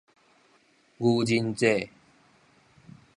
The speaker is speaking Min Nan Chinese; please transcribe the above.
愚人節